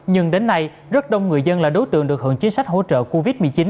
nhưng đến nay rất đông người dân là đối tượng được hưởng chính sách hỗ trợ covid một mươi chín